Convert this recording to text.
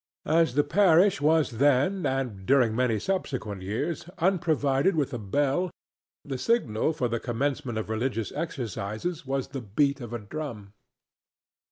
As the parish was then, and during many subsequent years, unprovided with a bell, the signal for the commencement of religious exercises was the beat of a drum.